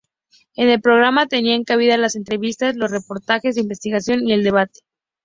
En el programa tenían cabida las entrevistas, los reportajes de investigación y el debate.